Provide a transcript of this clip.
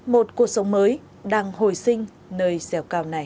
một cuộc sống mới đang hồi sinh nơi dẻo cao này